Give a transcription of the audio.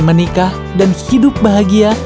menikah dan hidup bahagia